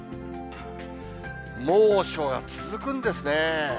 猛暑が続くんですね。